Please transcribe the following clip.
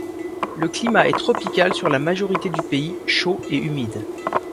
Le climat est tropical sur la majorité du pays, chaud et humide.